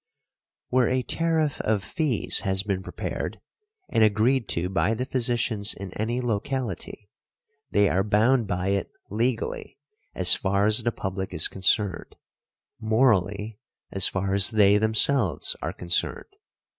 Where a tariff of fees has been prepared, and agreed to by the physicians in any locality, they are bound by it legally as far as the public is concerned, morally as far as they themselves are concerned .